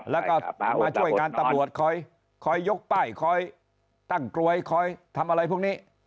และก็มาช่วยการตรับบรวดค่อยค่อยยกป้ายค่อยตั้งกรวยค่อยทำอะไรพวกนี้